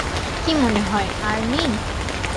কি মনেহয়, আর্নি?